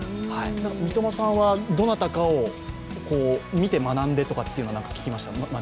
三笘さんは、どなたかを見て学んでって聞きました。